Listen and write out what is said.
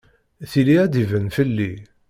Tili ad d-iban fell-i.